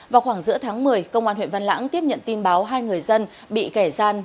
vào khoảng giữa tháng một mươi công an huyện văn lãng tiếp nhận tin báo hai người dân bị kẻ gian